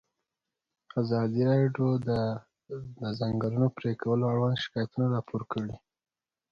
ازادي راډیو د د ځنګلونو پرېکول اړوند شکایتونه راپور کړي.